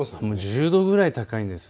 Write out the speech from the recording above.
１０度ぐらい高いんです。